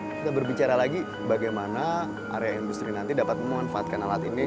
kita berbicara lagi bagaimana area industri nanti dapat memanfaatkan alat ini